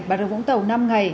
bà rồng vũng tàu năm ngày